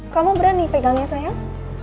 kamu berani pegangnya sayang